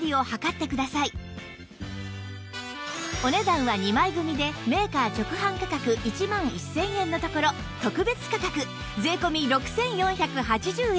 お値段は２枚組でメーカー直販価格１万１０００円のところ特別価格税込６４８０円